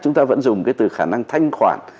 chúng ta vẫn dùng cái từ khả năng thanh khoản